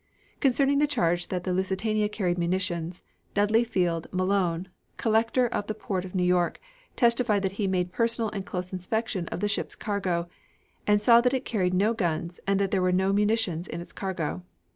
Concerning the charge that the Lusitania carried munitions, Dudley Field Malone, Collector of the port of New York, testified that he made personal and close inspection of the ship's cargo and saw that it carried no guns and that there were no munitions in its cargo.